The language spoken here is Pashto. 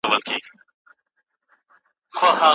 ما ورته مخکي هم د روماني اسلوب په اړه ویلي وو.